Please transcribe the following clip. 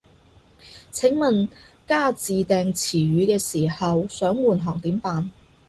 請問加自訂詞語嘅時候，想換行點辦